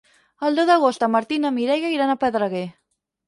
El deu d'agost en Martí i na Mireia iran a Pedreguer.